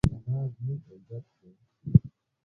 دا زموږ عزت دی